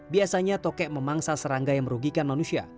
biasanya tokek memangsa serangga yang merugikan manusia